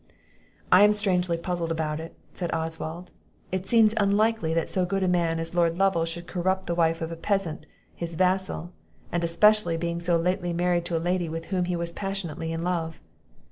"I am strangely puzzled about it," said Oswald. "It seems unlikely that so good a man as Lord Lovel should corrupt the wife of a peasant, his vassal; and, especially, being so lately married to a lady with whom he was passionately in love."